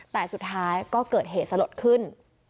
แต่สุดท้ายก็เกิดเหตุสลดขึ้น